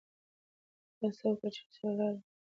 هغه څه وکړه چې رسول الله ورته ویلي دي.